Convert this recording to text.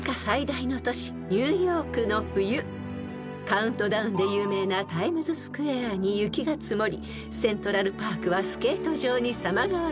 ［カウントダウンで有名なタイムズスクエアに雪が積もりセントラルパークはスケート場に様変わり］